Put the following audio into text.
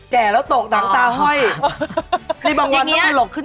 แก่แล้วตกดังตาห้อยมีบางวันต้องหลบขึ้น